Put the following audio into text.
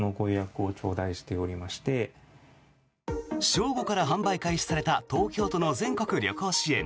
正午から販売開始された東京都の全国旅行支援。